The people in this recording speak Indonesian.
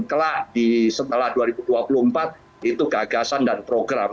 kelak setelah dua ribu dua puluh empat itu gagasan dan program